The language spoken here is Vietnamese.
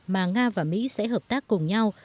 mà nga và mỹ sẽ hợp tác cùng nhau